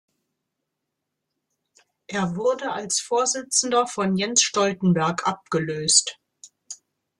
Er wurde als Vorsitzender von Jens Stoltenberg abgelöst.